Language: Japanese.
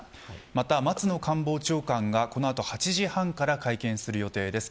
また松野官房長官がこの後８時半から会見する予定です。